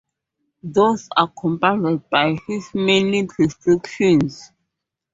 Those are compounded by his minute restrictions.